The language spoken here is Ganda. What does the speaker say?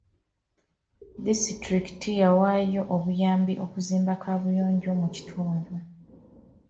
Disitulikiti yawaayo obuyambi okuzimba kaabuyonjo mu kitundu.